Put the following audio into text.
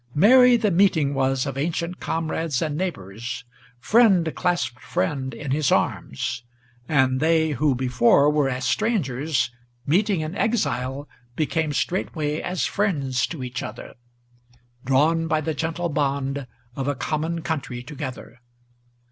Merry the meeting was of ancient comrades and neighbors: Friend clasped friend in his arms; and they who before were as strangers, Meeting in exile, became straightway as friends to each other, Drawn by the gentle bond of a common country together.